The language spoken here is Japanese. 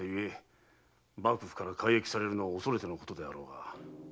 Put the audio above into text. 幕府から改易されるのを恐れてのことであろうが。